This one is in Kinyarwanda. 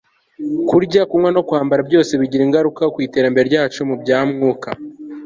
kurya, kunywa, no kwambara, byose bigira ingaruka ku iterambere ryacu mu bya mwuka